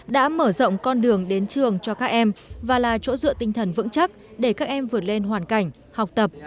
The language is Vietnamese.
đã mở rộng con đường đến trường cho các em và là chỗ dựa tinh thần vững chắc để các em vượt lên hoàn cảnh học tập